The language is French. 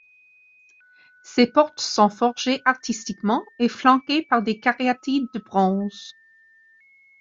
Ces portes sont forgées artistiquement et flanquées par des cariatides de bronze.